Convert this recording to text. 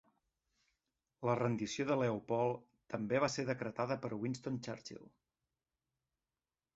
La rendició de Leopold també va ser decretada per Winston Churchill.